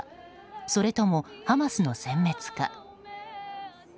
それともハマスの殲滅か。